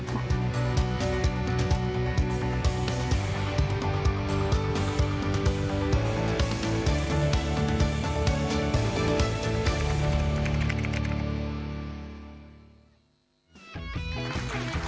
ไป